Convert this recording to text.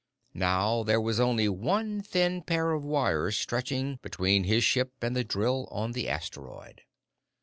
Now there was only one thin pair of wires stretching between his ship and the drill on the asteroid.